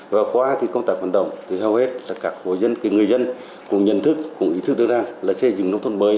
và qua công tác vận động thì hầu hết là các hồ dân người dân cũng nhận thức cũng ý thức được rằng là xây dựng nông thôn mới